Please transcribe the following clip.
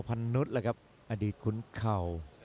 สพันนุษย์อดีตคุ้นเข่า